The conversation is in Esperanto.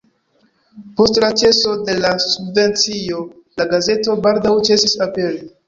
Post la ĉeso de la subvencio la gazeto baldaŭ ĉesis aperi.